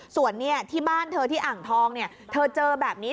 ส่วนที่บ้านเธอที่อ่างทองเธอเจอแบบนี้